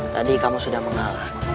tadi kamu sudah mengalah